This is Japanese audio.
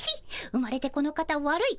生まれてこの方わるい